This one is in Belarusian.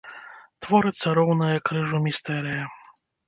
Творыцца роўная крыжу містэрыя.